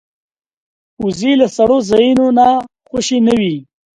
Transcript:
وزې له سړو ځایونو نه خوشې نه وي